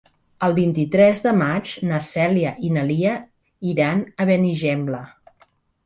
El vint-i-tres de maig na Cèlia i na Lia iran a Benigembla.